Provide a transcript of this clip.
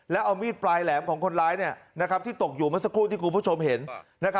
แล้วเอามีดปลายแหลมของคนร้ายที่ตกอยู่เมื่อสักครู่ที่คุณผู้ชมเห็น